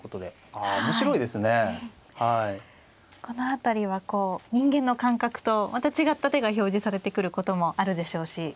この辺りは人間の感覚とまた違った手が表示されてくることもあるでしょうし。